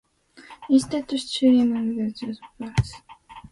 Instead, stream runoff in those areas flowed into closed basins and formed playa lakes.